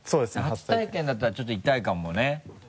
初体験だったらちょっと痛いかもね。